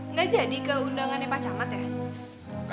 nggak jadi keundangannya pak camat ya